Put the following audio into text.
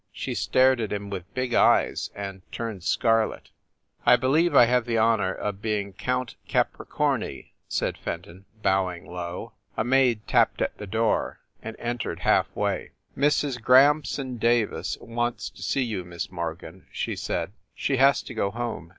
She stared at him with big eyes, and turned scarlet. "I believe I have the honor of being Count Capri corni," said Fenton, bowing low. A maid tapped at the door, and entered half way. 232 FIND THE WOMAN "Mrs. Grahamson Davis wants to see you, Miss Morgan," she said. "She has to go home.